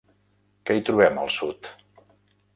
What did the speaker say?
Què hi trobem al sud?